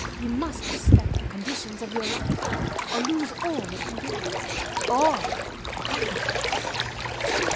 You must respect the conditions of your life or lose all it can give you. All! Everything!